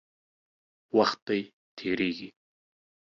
وخت دی، تېرېږي.